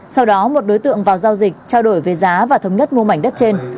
sau đó một đối tượng vào giao dịch trao đổi về giá và thống nhất mua mảnh đất trên